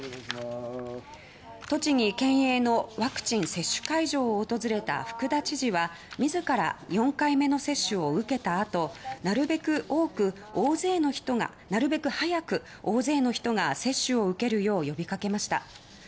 栃木県営のワクチン接種会場を訪れた福田知事は自ら４回目の接種を受けたあとなるべく早く、大勢の人が接種を受けるよう呼びかけました。